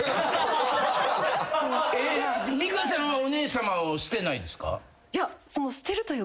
美香さんはお姉さまを捨てないですか？